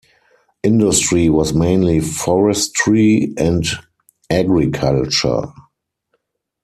Industry was mainly forestry and agriculture.